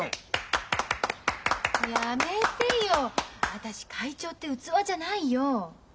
私会長って器じゃないよ。